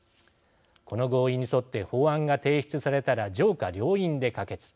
この合意に沿って法案が提出されたら上下両院で可決